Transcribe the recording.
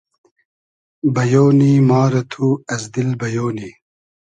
بئیۉ نی ما رۂ تو از دیل بئیۉ نی